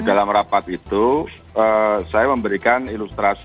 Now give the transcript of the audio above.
dalam rapat itu saya memberikan ilustrasi